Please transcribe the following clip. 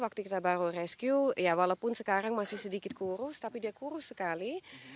waktu kita baru rescue ya walaupun sekarang masih sedikit kurus tapi dia kurus sekali